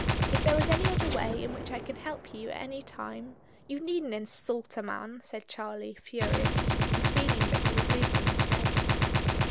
"If there is any other way in which I can help you at any time " "You needn't insult a man," said Charlie, furious, and feeling that he was losing his head.